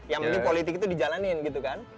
yang penting politik itu dijalanin gitu kan